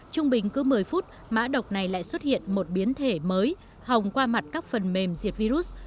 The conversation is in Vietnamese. trung bình cứ một mươi phút mã độc này lại xuất hiện một biến thể mới hòng qua mặt các phần mềm diệt virus